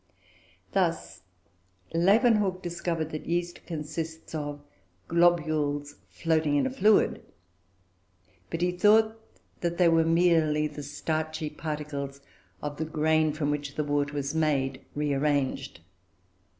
1721.] Thus Leeuwenhoek discovered that yeast consists of globules floating in a fluid; but he thought that they were merely the starchy particles of the grain from which the wort was made, rearranged.